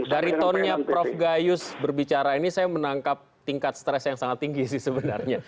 dari tone nya prof gayus berbicara ini saya menangkap tingkat stres yang sangat tinggi sih sebenarnya